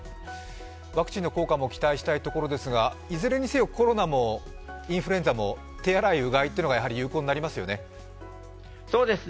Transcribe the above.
ワクチンの効果も期待したいところですが、いずれにせよコロナもインフルエンザも手洗いうがいっていうのは有効になりますよね？